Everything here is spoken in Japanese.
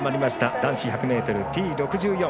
男子１００ｍＴ６４。